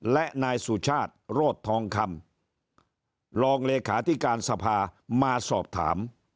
และนายสุชาติโรธทองคำรองเลขาธิการสภามาสอบถาม